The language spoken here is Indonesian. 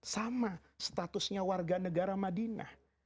sama statusnya warga negara madinah